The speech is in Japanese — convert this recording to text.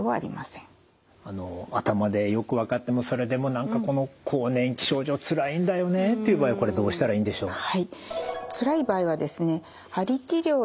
頭でよく分かってもそれでも何かこの更年期症状つらいんだよねっていう場合はこれどうしたらいいんでしょう。